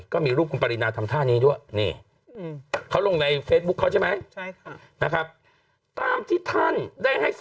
ก็มีรูปปรินาทำท่านี้ด้วยนี่